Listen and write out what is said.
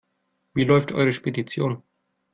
Wie läuft eure Spedition?